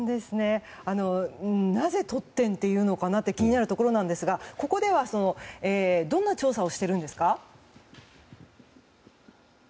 なぜトッテンっていうのか気になるところなんですがここではどんな調査をしているんですか。